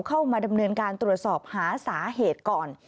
เข้ามาดำเนินการตรวจสอบหาสาเหตุก่อน